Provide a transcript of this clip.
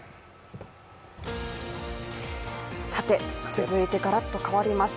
続いて、がらっと変わります。